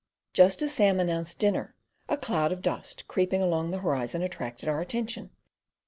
Just as Sam announced dinner a cloud of dust creeping along the horizon attracted our attention.